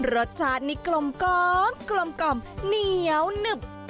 รสชาตินี่กลมกล่อมกลมเหนียวหนึบ